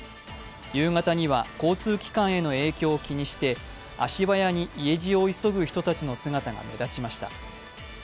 夕方には、交通機関への影響を気にして足早に家路を急ぐ人たちの姿が目立ちました。